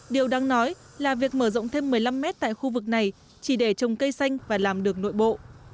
điều đáng nói là việc mở rộng thêm một mươi năm mét tại khu vực này chỉ để trồng cây xanh và làm được nội bộ